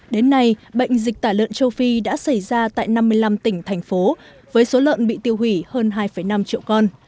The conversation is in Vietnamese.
đến nay bệnh dịch tả lợn châu phi đã xảy ra tại năm mươi năm tỉnh thành phố với số lợn bị tiêu hủy hơn hai năm triệu con